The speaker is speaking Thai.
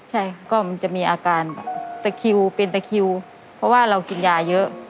ใช่ก็มันจะมีอาการแบบตะคิวเป็นตะคิวเพราะว่าเรากินยาเยอะ